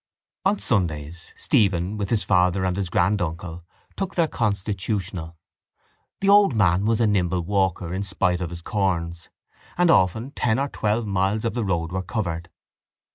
On Sundays Stephen with his father and his granduncle took their constitutional. The old man was a nimble walker in spite of his corns and often ten or twelve miles of the road were covered.